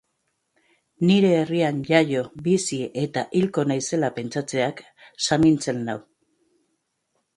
Nire herrian jaio, bizi eta hilko naizela pentsatzeak samintzen nau.